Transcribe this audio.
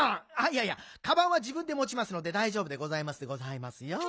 いやいやかばんはじぶんでもちますのでだいじょうぶでございますでございますよ。